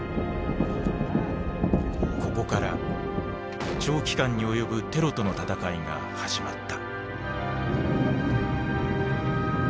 ここから長期間に及ぶ「テロとの戦い」が始まった。